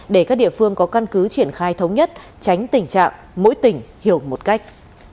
để các địa phương có căn cứ triển khai thống nhất tránh tình trạng mỗi tỉnh hiểu một cách